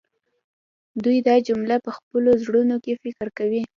دوی دا جمله په خپلو زړونو کې فکر کوي